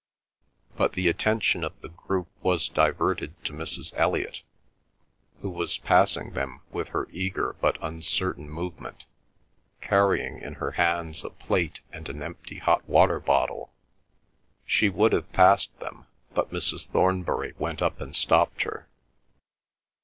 But the attention of the group was diverted to Mrs. Elliot, who was passing them with her eager but uncertain movement, carrying in her hands a plate and an empty hot water bottle. She would have passed them, but Mrs. Thornbury went up and stopped her.